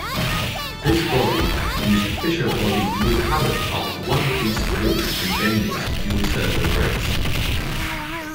This body used Fisher Body's new Turret Top one-piece roof and Bendix dual-servo brakes.